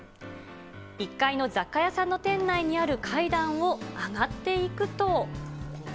１階の雑貨屋さんの店内にある階段を上がっていくと。